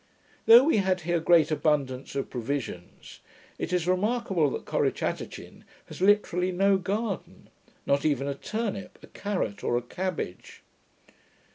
Though we had here great abundance of provisions, it is remarkable that Corrichatachin has literally no garden: not even a turnip, a carrot or a cabbage.